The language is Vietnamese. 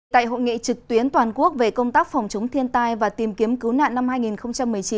tại hội nghị trực tuyến toàn quốc về công tác phòng chống thiên tai và tìm kiếm cứu nạn năm hai nghìn một mươi chín